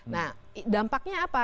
nah dampaknya apa